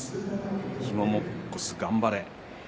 肥後もっこす、頑張れ。